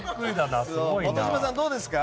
本島さん、どうですか？